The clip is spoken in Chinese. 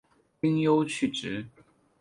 丁忧去职。